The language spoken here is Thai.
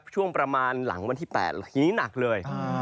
ช่วงประมาณหลังวันที่๘ทีนี้หนักเลย